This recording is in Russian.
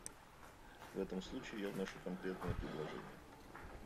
В этом случае я вношу конкретное предложение.